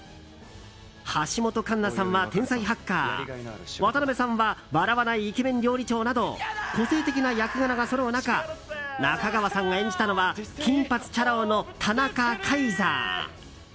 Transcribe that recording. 橋本環奈さんは天才はハッカー渡邊さんは笑わないイケメン料理長など個性的な役柄がそろう中中川さんが演じたのは金髪チャラ男の田中皇帝。